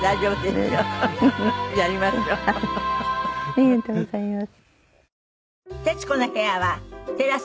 ありがとうございます。